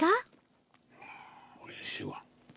うん美味しいわ。